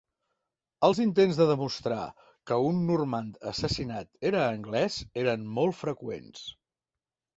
Els intents de demostrar que un normand assassinat era anglès eren molt freqüents.